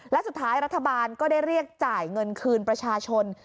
และสุดท้ายรัฐบาลก็ได้เรียกจ่ายเงินคืนประชาชน